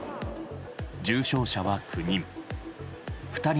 重症者は９人。